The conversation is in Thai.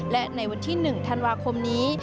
และในวันที่๑ธันวาคมนี้